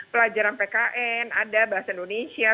pelajaran pkn ada bahasa indonesia